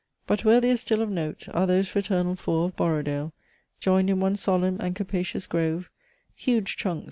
"But worthier still of note Are those fraternal Four of Borrowdale, Joined in one solemn and capacious grove; Huge trunks!